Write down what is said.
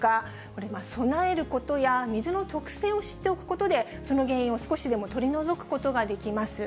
これ、備えることや水の特性を知っておくことで、その原因を少しでも取り除くことができます。